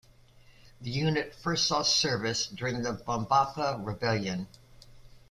The unit first saw service during the Bambatha Rebellion.